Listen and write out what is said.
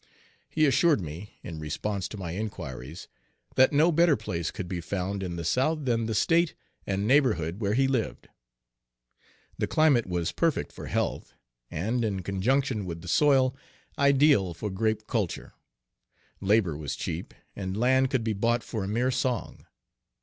He assured me, in response to my inquiries, that no better place could be found in the South than the State and neighborhood where he lived; the climate was perfect for health, land, in conjunction with the soil, ideal for grape culture; labor was cheap, and land Page 3 could be bought for a mere song.